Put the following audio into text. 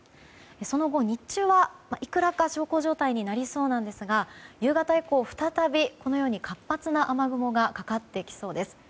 その後、日中はいくらか小康状態になりそうなんですが夕方以降、再びこのように活発な雨雲がかかってきそうです。